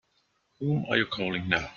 Whom are you calling now?